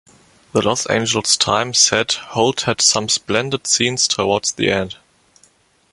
The "Los Angeles Times" said Holt had "some splendid scenes towards the end".